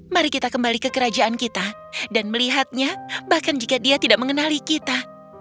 mari kita kembali ke kerajaan kita dan melihatnya bahkan jika dia tidak mengenali kita